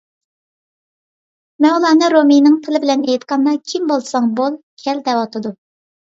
مەۋلانا رۇمىينىڭ تىلى بىلەن ئېيتقاندا، كىم بولساڭ بول، كەل، دەۋاتىدۇ.